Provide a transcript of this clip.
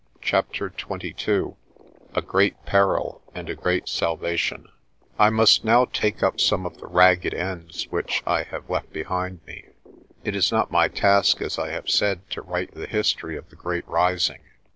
CHAPTER XXII A GREAT PERIL AND A GREAT SALVATION I MUST now take up some of the ragged ends which I have left behind me. It is not my task, as I have said, to write the history of the great Rising.